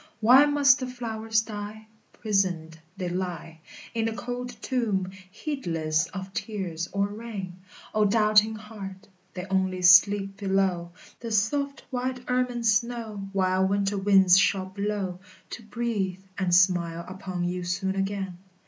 Why must the flowers die? Prisoned they lie In the cold tomb, heedless of tears or rain. O doubting heart! They only sleep below The soft white ermine snow While winter winds shall blow, To breathe and smile upon you soon again.